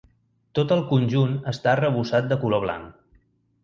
Tot el conjunt està arrebossat de color blanc.